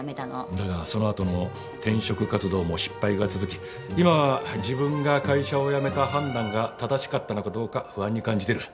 だがその後の転職活動も失敗が続き今は自分が会社を辞めた判断が正しかったのかどうか不安に感じてる。